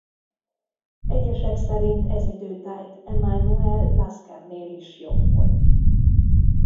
Egyesek szerint ez idő tájt Emanuel Laskernél is jobb volt.